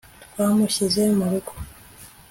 Twamushyize mu rugo